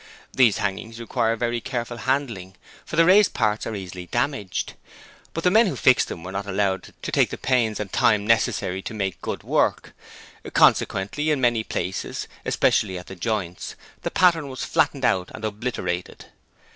These hangings require very careful handling, for the raised parts are easily damaged; but the men who fixed them were not allowed to take the pains and time necessary to make good work: consequently in many places especially at the joints the pattern was flattened out and obliterated.